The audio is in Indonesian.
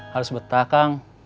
harus betah kang